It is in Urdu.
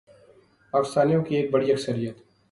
پاکستانیوں کی ایک بڑی اکثریت